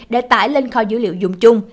để tải lên kho dữ liệu dùng chung